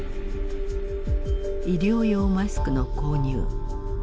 医療用マスクの購入。